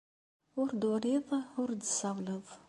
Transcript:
Ur d-turiḍ, ur d-tessawleḍ.